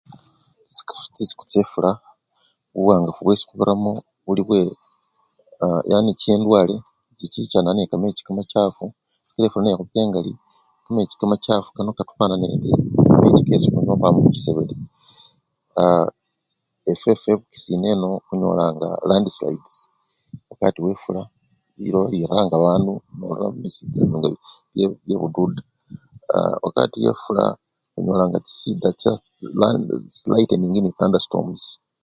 Chisiko! chisiku chefula buwangafu nibwo khubiramo buli bwe a! yani chindwale chichichana nekamechi kamachafu kakila efula nekhupile engali, kamechi kamachafu kano katubana nekamechi kesi khunywa khukhwama muchisebele, aa! efwefwe ebukisu eneno khunyolanga landslides wakati wefula iba yiranga babandu sanaga nga mubisincha bye Bududa, aa wakati wefula khunyolanga chisyida cha lighteningi nende thunderstorms.